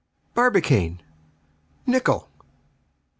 "Barbicane!!! Nicholl!!"